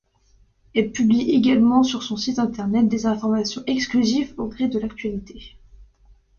Elle publie également sur son site Internet des informations exclusives au gré de l'actualité.